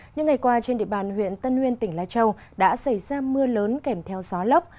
những ngày qua trên địa bàn huyện tân nguyên tỉnh lai châu đã xảy ra mưa lớn kèm theo gió lốc